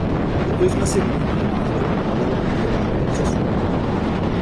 Proto jsme si vyměnili názory na délku mírového procesu.